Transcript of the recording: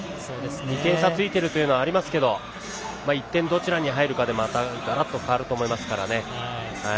２点差ついているというのはありますが１点どちらに入るかでまたがらっと変わると思いますからね。